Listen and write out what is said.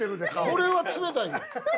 これは冷たいよ。